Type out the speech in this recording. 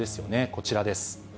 こちらです。